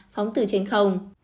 phóng từ trên không